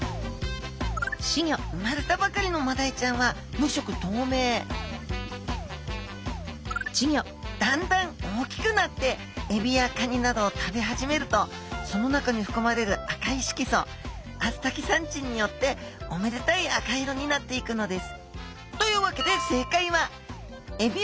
生まれたばかりのマダイちゃんは無色とうめいだんだん大きくなってエビやカニなどを食べ始めるとその中にふくまれる赤い色素アスタキサンチンによっておめでたい赤色になっていくのです。